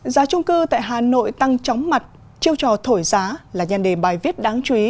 giá trung cư tại hà nội tăng chóng mặt chiêu trò thổi giá là nhan đề bài viết đáng chú ý